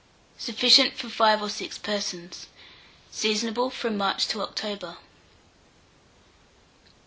Sufficient for 5 or 6 persons. Seasonable from March to October.